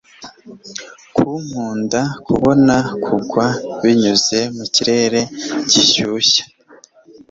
ko nkunda kubona kugwa, binyuze mu kirere gishyushye